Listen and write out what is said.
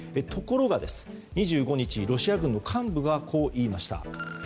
ところが、２５日ロシア軍の幹部はこう言いました。